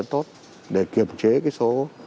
tốt để kiểm trế cái số